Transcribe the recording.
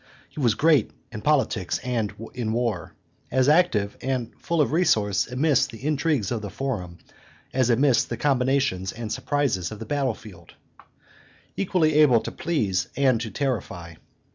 He was great in politics and in war; as active and as full of resource amidst the intrigues of the Forum as amidst the combinations and surprises of the battle field, equally able to please and to terrify.